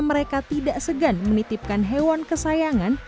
mereka tidak segan menitipkan hewan kesayangan